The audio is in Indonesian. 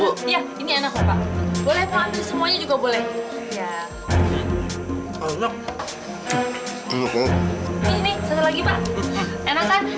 kebetulan nih kita lagi lapar